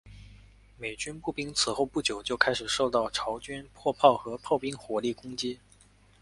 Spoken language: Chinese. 美军步兵此后不久就开始受到朝军迫炮和炮兵火力攻击。